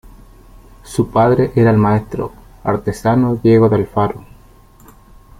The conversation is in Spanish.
Su padre era el maestro artesano Diego de Alfaro.